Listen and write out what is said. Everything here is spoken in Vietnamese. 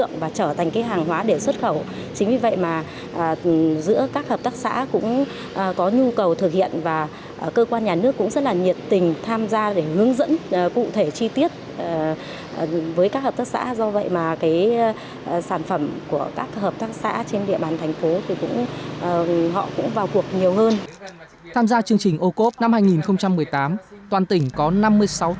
giữa các hợp tác xã cũng có nhu cầu thực hiện và cơ quan nhà nước cũng rất là nhiệt tình tham gia để hướng dẫn cụ thể chi tiết với các hợp tác xã